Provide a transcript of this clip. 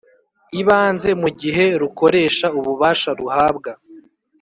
ibanze mu gihe rukoresha ububasha ruhabwa